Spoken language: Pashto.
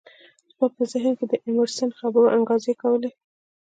زما په ذهن کې د ایمرسن خبرو انګازې کولې